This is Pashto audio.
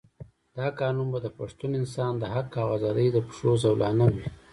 دا قانون به د پښتون انسان د حق او آزادۍ د پښو زولانه وي.